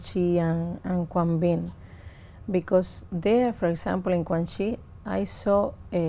chúng tôi có một hợp lý rất quan trọng